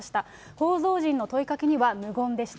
報道陣の問いかけには無言でした。